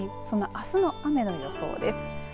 その雨の予想です。